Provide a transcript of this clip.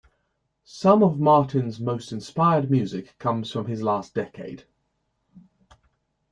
Some of Martin's most inspired music comes from his last decade.